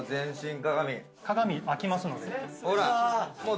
鏡、開きますので。